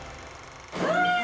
うわ！